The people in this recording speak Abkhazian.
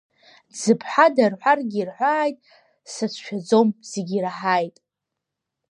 Дзыԥҳада рҳәаргьы ирҳәааит, сацәшәаӡом, зегьы ираҳааит.